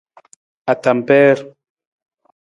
Atampeer.